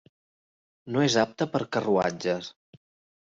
No és apte per carruatges.